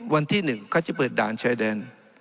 วันที่๑เขาจะเปิดด่านชายแดน